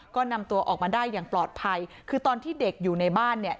ก็นำตัวออกมาได้อย่างปลอดภัยคือตอนที่เด็กอยู่ในบ้านเนี่ย